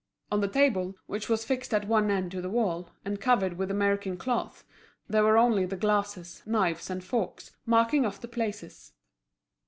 On the table, which was fixed at one end to the wall, and covered with American cloth, there were only the glasses, knives, and forks, marking off the places.